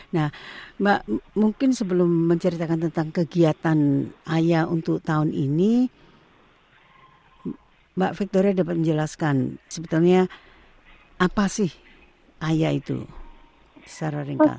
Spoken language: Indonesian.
nah mbak mungkin sebelum menceritakan tentang kegiatan ayah untuk tahun ini mbak victoria dapat menjelaskan sebetulnya apa sih ayah itu secara ringkal